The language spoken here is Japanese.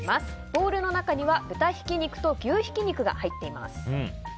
ボウルの中には豚ひき肉と牛ひき肉が入っています。